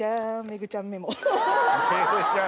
メグちゃんメモ。